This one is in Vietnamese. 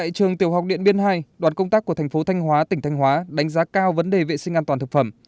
tại trường tiểu học điện biên hai đoàn công tác của thành phố thanh hóa tỉnh thanh hóa đánh giá cao vấn đề vệ sinh an toàn thực phẩm